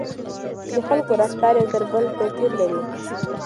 د خلکو رفتار یو تر بل توپیر لري.